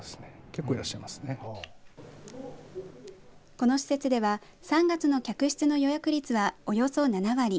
この施設では３月の客室の予約率はおよそ７割。